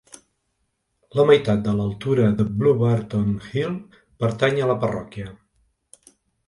La meitat de l'altura de Blewburton Hill pertany a la parròquia.